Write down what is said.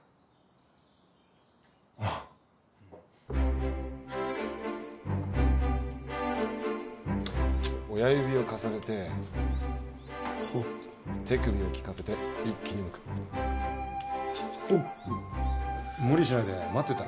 おう親指を重ねてほう手首を利かせて一気にむくおうッ無理しないで待ってたら？